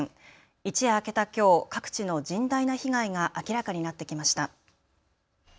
一夜明けたきょう各地の甚大な被害が明らかになってきました。